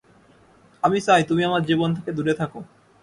আমি চাই তুমি আমার জীবন থেকে দূরে থাক।